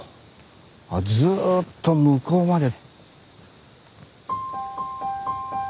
あずっと向こうまで。